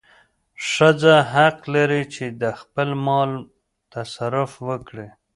ښځه حق لري چې د خپل مال تصرف وکړي.